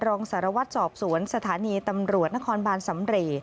รองสารวัตรสอบสวนสถานีตำรวจนครบานสำเรย์